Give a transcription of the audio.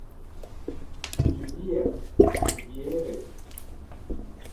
studier, studierez